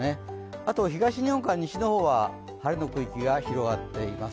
あと、東日本から西の方は晴れの天気が広がっています。